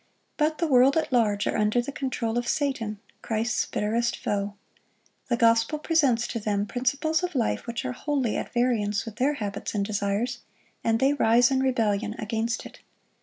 But the world at large are under the control of Satan, Christ's bitterest foe. The gospel presents to them principles of life which are wholly at variance with their habits and desires, and they rise in rebellion against it.